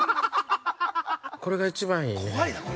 これが一番いいね。